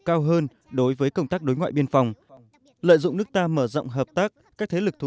cao hơn đối với công tác đối ngoại biên phòng lợi dụng nước ta mở rộng hợp tác các thế lực thù